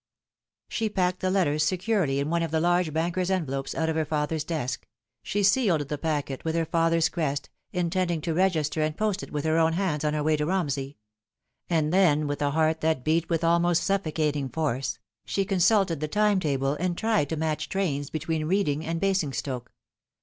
She packed the letters securely in one of the large banker's envelopes out of her father's desk. She sealed the packet with her father's crest, intending to register and post it with her own hands on her way to Romsey : and then, with a heart that beat with almost suffocating force, she consulted the time table, and tried to match trains between Reading and Basingstoke.